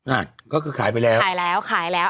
อ่าก็คือขายไปแล้ว